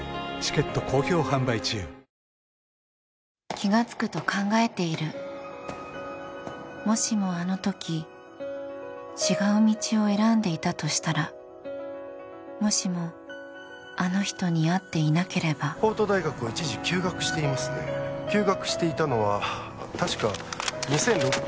気がつくと考えているもしもあの時違う道を選んでいたとしたらもしもあの人に会っていなければ法都大学を一時休学していますね休学していたのは確か２００６